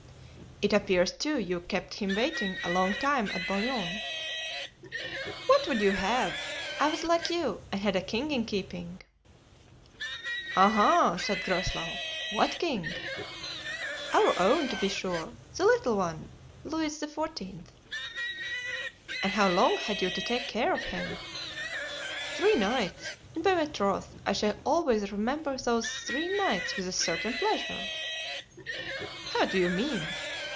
"It appears, too, you kept him waiting a long time at Boulogne." "What would you have? I was like you, and had a king in keeping." "Aha!" said Groslow; "what king?" "Our own, to be sure, the little one—Louis XIV." "And how long had you to take care of him?" "Three nights; and, by my troth, I shall always remember those three nights with a certain pleasure." "How do you mean?"